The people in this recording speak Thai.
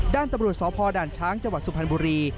ด้านตำรวจสพด่านช้างจังหวัดสุพรรณบุรี